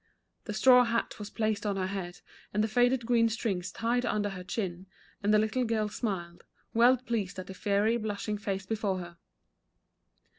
The straw hat was placed on her head, and the faded green strings tied under her chin, and the little girl smiled, well pleased at the fiery, blushing face before her.